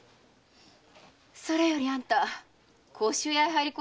それよりあんた甲州屋へ入り込んだんだって？